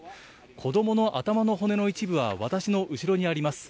子どもの頭の骨の一部は、私の後ろにあります